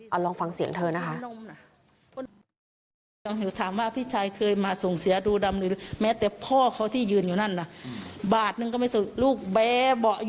เอาลองฟังเสียงเธอนะคะ